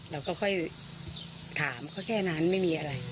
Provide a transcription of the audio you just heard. เราก็ค่อยถามเขาแค่นั้นไม่มีอะไร